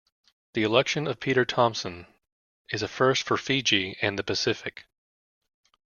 The election of Peter Thomson is a first for Fiji and the Pacific.